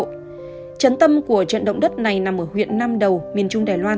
trận tâm của trận động đất này nằm ở huyện nam đầu miền trung đài loan